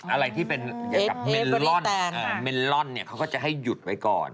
อะไรที่เป็นเกี่ยวกับเมลลอนเมลอนเนี่ยเขาก็จะให้หยุดไว้ก่อน